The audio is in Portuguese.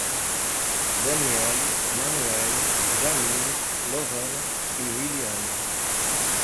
Danielly, Manuele, Jamily, Lorrana e Wiliane